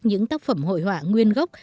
những tác phẩm hội họa nguyên gốc